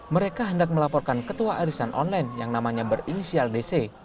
mereka hendak melaporkan ketua arisan online yang namanya berinisial dc